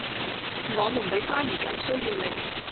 我們比花兒更需要你